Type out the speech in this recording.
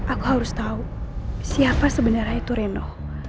aku harus tahu siapa sebenarnya itu reno